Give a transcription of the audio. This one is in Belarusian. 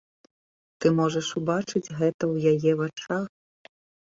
Ты можаш убачыць гэта ў яе вачах.